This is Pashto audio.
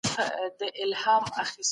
ما مخکي هیڅکله داسې ښکلی شی نه و لیدلی.